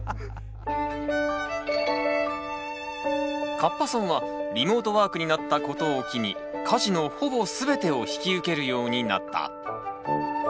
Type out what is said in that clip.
カッパさんはリモートワークになったことを機に家事のほぼ全てを引き受けるようになった。